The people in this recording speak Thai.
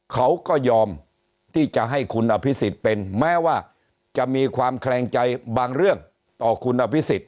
เขาก็ยอมที่จะให้คุณอภิษฎิ์เป็น